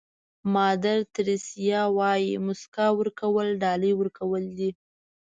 مادر تریسیا وایي موسکا ورکول ډالۍ ورکول دي.